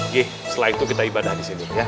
gih setelah itu kita ibadah disini ya